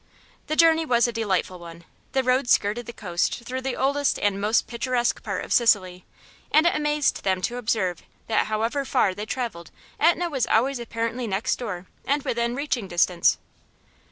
The journey was a delightful one. The road skirted the coast through the oldest and most picturesque part of Sicily, and it amazed them to observe that however far they travelled Etna was always apparently next door, and within reaching distance.